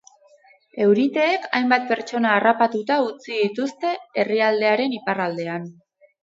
Euriteek hainbat pertsona harrapatuta utzi dituzte herrialdearen iparraldean.